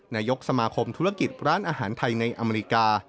นายกสมาคมธุรกิจร้านอาหารไทยในอเมริกา